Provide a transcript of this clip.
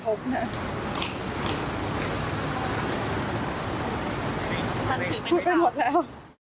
พูดเป็นหมดแล้ว